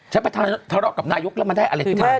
จะไปทะเลาะกับนายกแล้วมันได้อะไรที่นี่